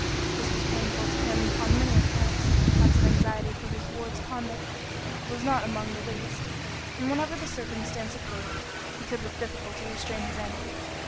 This was painful to him upon many accounts; perhaps an anxiety for his ward's conduct was not among the least; and whenever the circumstance occurred, he could with difficulty restrain his anger.